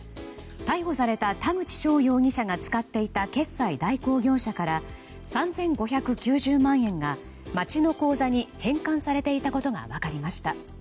逮捕された田口翔容疑者が使っていた決済代行業者から３５９０万円が町の口座に返還されていたことが分かりました。